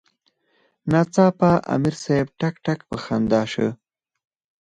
ناڅاپه امیر صېب ټق ټق پۀ خندا شۀ ـ